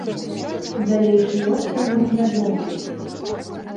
Далейшы лёс яго невядомы.